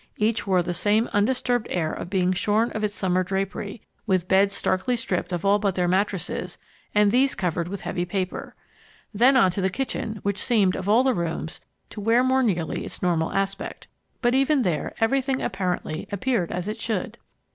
Each wore the same undisturbed air of being shorn of its summer drapery, with beds starkly stripped of all but their mattresses, and these covered with heavy paper. Then on into the kitchen, which seemed, of all the rooms, to wear more nearly its normal aspect. But even there everything, apparently, appeared as it should.